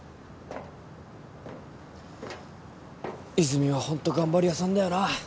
泉はホント頑張り屋さんだよな。